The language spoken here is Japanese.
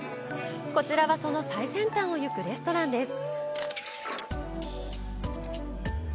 こちらはその最先端を行くレストランです。